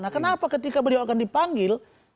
nah kenapa ketika beliau akan dipanggil